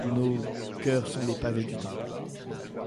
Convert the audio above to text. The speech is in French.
Nos cœurs sont les pavés du temple.